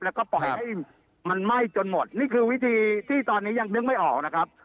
แล้วก็ปล่อยให้มันไหม้จนหมดนี่คือวิธีที่ตอนนี้ยังนึกไม่ออกนะครับ